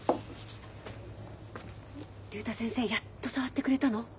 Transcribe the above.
竜太先生やっと触ってくれたの？